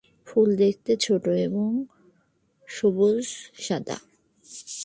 ফুল দেখতে ছোট এবং সবুজ-সাদা।